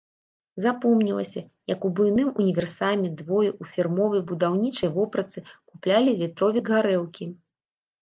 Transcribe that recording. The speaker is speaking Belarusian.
Запомнілася, як у буйным універсаме двое ў фірмовай будаўнічай вопратцы куплялі літровік гарэлкі.